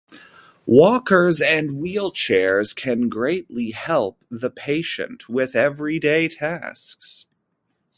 Walkers and wheelchairs can greatly help the patient with everyday tasks.